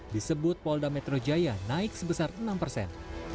disebut polda metro jaya naik sebesar enam persen